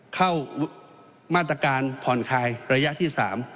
เข้ามาตรการผ่อนคลายระยะที่๓